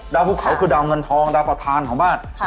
ภูเขาคือดาวเงินทองดาวประธานของบ้าน